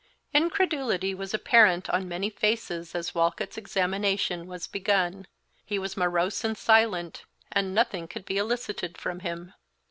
Incredulity was apparent on many faces as Walcott's examination was begun. He was morose and silent, and nothing could be elicited from him.